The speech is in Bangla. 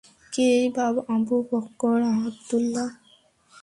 কে এই আবু বকর আবদুল্লাহ?